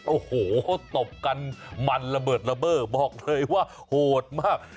โอ้โหตบกันมันระเบิดระเบิดบอกเลยว่าโหดมาก